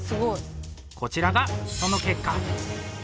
こちらがその結果。